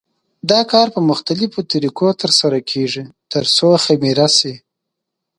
دا کار په مختلفو طریقو تر سره کېږي ترڅو خمېره شي.